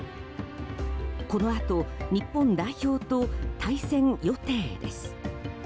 このあと、日本代表と対戦予定です。